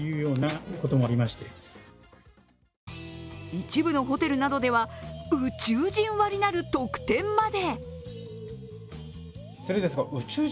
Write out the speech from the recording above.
一部のホテルなどでは宇宙人割なる特典まで。